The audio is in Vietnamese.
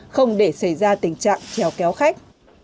không để xảy ra tình trạng chèo kéo khách